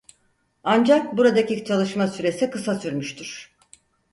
Ancak buradaki çalışma süresi kısa sürmüştür.